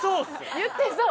言ってそう？